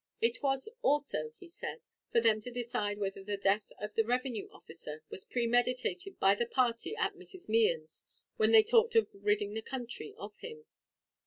It was, also, he said, for them to decide whether the death of the revenue officer was premeditated by the party at Mrs. Mehan's when they talked of ridding the country of him.